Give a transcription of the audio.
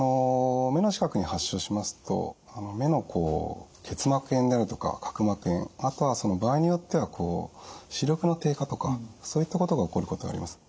目の近くに発症しますと目の結膜炎になるとか角膜炎あとは場合によっては視力の低下とかそういったことが起こることがあります。